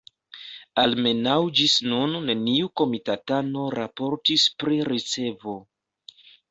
Almenaŭ ĝis nun neniu komitatano raportis pri ricevo.